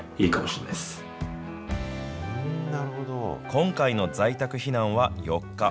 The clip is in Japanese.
今回の在宅避難は４日。